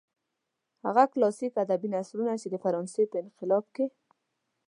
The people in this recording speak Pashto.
هغه کلاسلیک ادبي ژانرونه چې د فرانسې په انقلاب کې.